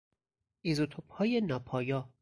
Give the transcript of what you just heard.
ایزوتوپهای ناپایا